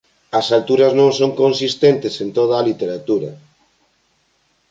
As alturas non son consistentes en toda a literatura.